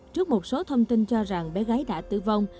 trước một số thông tin cho rằng bé gái đã tử vong